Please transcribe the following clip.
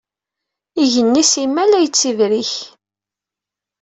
Igenni simmal a yettibrik.